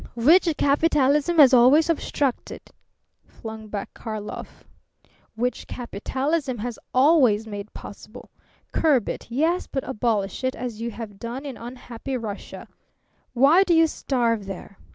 "Which capitalism has always obstructed," flung back Karlov. "Which capitalism has always made possible. Curb it, yes; but abolish it, as you have done in unhappy Russia! Why do you starve there?